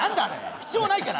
必要ないから！